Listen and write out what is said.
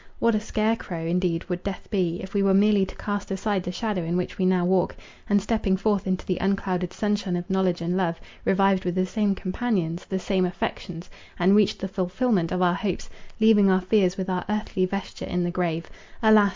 What a scare crow, indeed, would death be, if we were merely to cast aside the shadow in which we now walk, and, stepping forth into the unclouded sunshine of knowledge and love, revived with the same companions, the same affections, and reached the fulfilment of our hopes, leaving our fears with our earthly vesture in the grave. Alas!